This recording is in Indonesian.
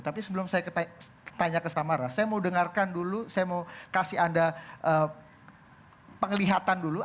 tapi sebelum saya tanya ke samara saya mau dengarkan dulu saya mau kasih anda penglihatan dulu